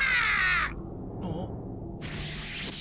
あっ。